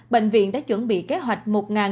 bệnh viện đã chuẩn bị kế hoạch